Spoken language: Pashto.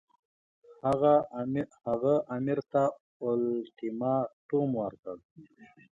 هغه امیر ته اولټیماټوم ورکړ.